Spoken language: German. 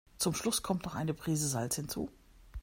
Zum Schluss kommt noch eine Prise Salz hinzu.